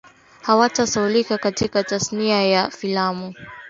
hawatasahaulika katika tasnia ya filamu